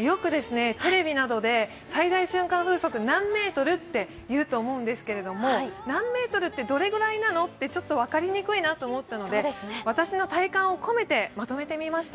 よくテレビなどで最大瞬間風速何メートルって言うと思うんですが、何メートルってどのくらいなの？とちょっと分かりにくいなと思ったので私の体感を込めてまとめてみました。